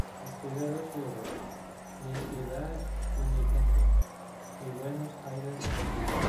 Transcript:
Escribió dos libros: "Mi ciudad y mi gente" y "Buenos Aires cotidiana".